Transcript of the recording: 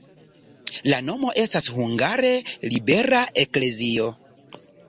La nomo estas hungare libera-eklezio.